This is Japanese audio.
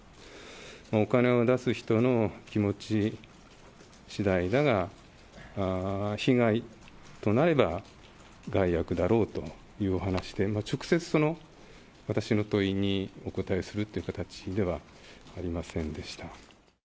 お金を出す人の気持ちしだいだが、被害となれば害悪だろうというお話で、直接その私の問いにお答えするという形ではありませんでした。